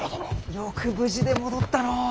よく無事で戻ったのう。